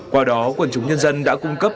qua đó quận chúng nhân dân đã cung cấp